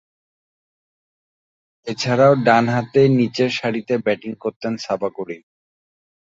এছাড়াও, ডানহাতে নিচেরসারিতে ব্যাটিং করতেন সাবা করিম।